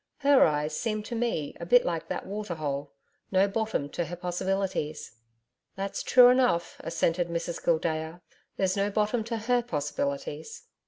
HER eyes seemed to me a bit like that water hole No bottom to her possibilities.' 'That's true enough,' assented Mrs Gildea. 'There's no bottom to HER possibilities.'